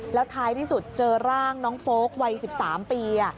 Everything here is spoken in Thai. แล้วท้ายที่สุดเจอร่างน้องโฟลกวัย๑๓ปี